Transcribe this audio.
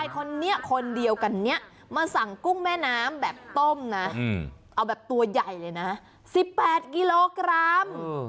คนนี้คนเดียวกันเนี่ยมาสั่งกุ้งแม่น้ำแบบต้มนะเอาแบบตัวใหญ่เลยนะ๑๘กิโลกรัม